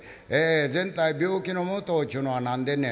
「全体病気のもとちゅうのは何でんねん？」。